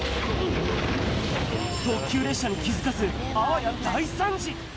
特急列車に気付かず、あわや大参事。